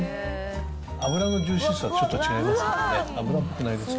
脂のジューシーさがちょっと違いますよね。